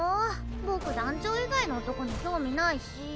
僕団長以外の男に興味ないし。